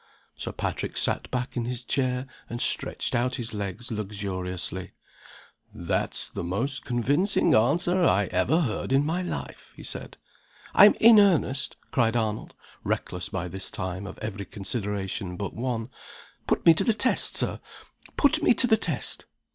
Sir Patrick sat back in his chair, and stretched out his legs luxuriously. "That's the most convincing answer I ever heard in my life," he said. "I'm in earnest!" cried Arnold, reckless by this time of every consideration but one. "Put me to the test, Sir! put me to the test!"